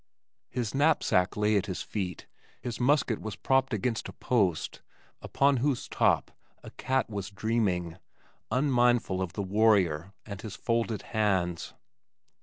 His knapsack lay at his feet, his musket was propped against a post on whose top a cat was dreaming, unmindful of the warrior and his folded hands.